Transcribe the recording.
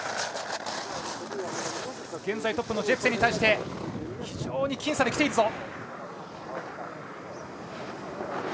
現在トップのジェプセンに対して非常に僅差で来ている。